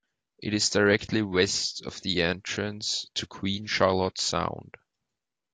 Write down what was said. It is directly west of the entrance to Queen Charlotte Sound.